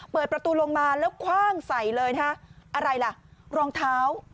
เปิดประตูลงมาแล้วคว่างใส่เลยนะฮะอะไรล่ะรองเท้า